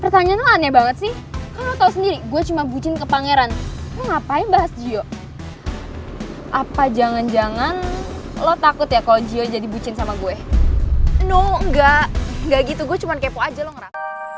enggak enggak gitu gue cuma kepo aja loh